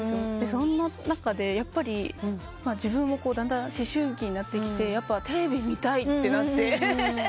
そんな中でやっぱり自分もだんだん思春期になってきてテレビ見たいってなって。